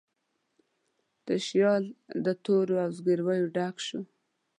تشیال د تورو او زګیرویو ډک شو